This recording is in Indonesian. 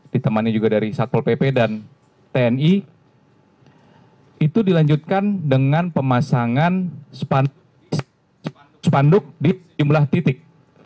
ditemani juga dari satpol pp dan tni itu dilanjutkan dengan pemasangan spanduk di jumlah titik